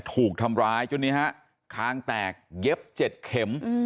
ถูกทำร้ายจนนี้ฮะค้างแตกเย็บเจ็ดเข็มอืม